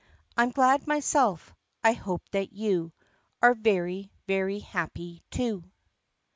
I ' m glad myself. I hope that you Are very * very happy too.